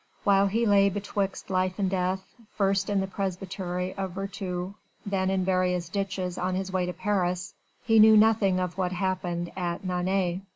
While he lay betwixt life and death, first in the presbytery of Vertou, then in various ditches on his way to Paris, he knew nothing of what happened at Nantes.